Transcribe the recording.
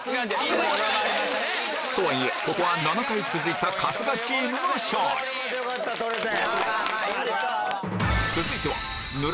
とはいえここは７回続いた春日チームの勝利よかった取れて！